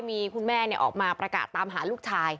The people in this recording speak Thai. มีคุณแม่ออกมาประกาศตามหาลูกชาย